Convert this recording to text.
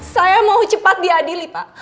saya mau cepat diadili pak